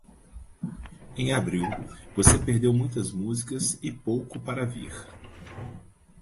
Em abril, você perdeu muitas músicas e pouco para vir.